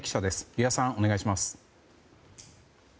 湯屋さん、お願いします。